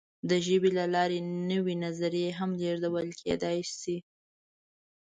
د ژبې له لارې نوې نظریې هم لېږدول کېدی شي.